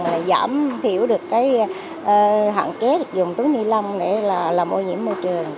là giảm thiểu được hạn kế dùng túi nhi lông để làm ô nhiễm môi trường